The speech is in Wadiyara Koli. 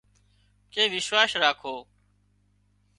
ڪي وشواس راکو